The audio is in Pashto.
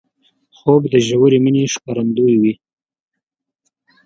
خوب د ژورې مینې ښکارندوی دی